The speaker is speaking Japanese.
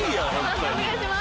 判定お願いします。